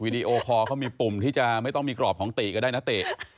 ดีโอคอลเขามีปุ่มที่จะไม่ต้องมีกรอบของติก็ได้นะติ